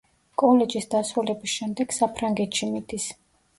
კოლეჯის დასრულების შემდეგ საფრანგეთში მიდის.